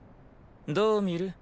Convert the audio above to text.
どう見る？